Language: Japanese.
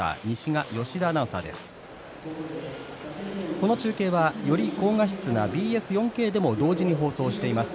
この中継は、より高画質なＢＳ４Ｋでも同時に放送しています。